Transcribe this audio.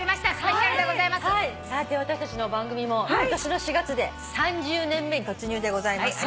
私たちの番組も今年の４月で３０年目に突入でございます。